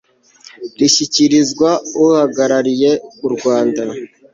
rishyikirizwa uhagarariye u rwanda